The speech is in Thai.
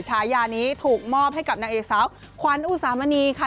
ฉายานี้ถูกมอบให้กับนางเอกสาวขวัญอุสามณีค่ะ